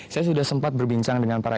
saya sudah sempat berbincang dengan para